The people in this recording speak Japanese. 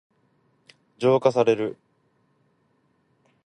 浄化される。